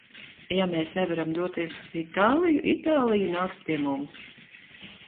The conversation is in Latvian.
Ja mēs nevaram doties uz Itāliju, Itālija nāks pie mums!